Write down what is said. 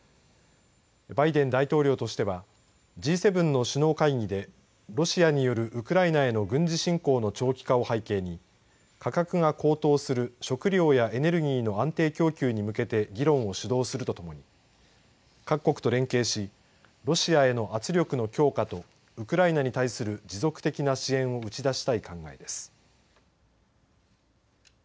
バイデン大統領としてはＧ７の首脳会議でロシアによるウクライナへの軍事侵攻の長期化を背景に価格が高騰する食料や食料やエネルギーの安定供給に向けて議論を主導するとともに各国と連携しロシアへの圧力の強化とウクライナに対する持続的な支援を打ち出したい考えです。